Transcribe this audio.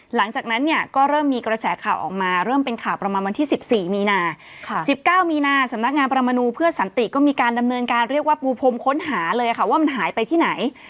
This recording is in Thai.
หลังจากนั้นเนี่ยก็เริ่มมีกระแสข่าวออกมาเริ่มเป็นข่าวประมาณวันที่๑๔มีนา๑๙มีนาสำนักงานประมนูเพื่อสันติก็มีการดำเนินการเรียกว่าปูพรมค้นหาเลยค่ะว่ามันหายไปที่ไหน